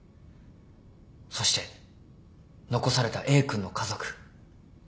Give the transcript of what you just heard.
そして残されたＡ君の家族。